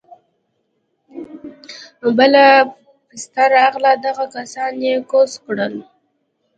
بله پسته راغله دغه کسان يې کوز کړه.